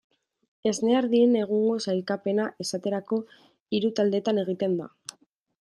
Esne ardien egungo sailkapena, esaterako, hiru taldetan egiten da.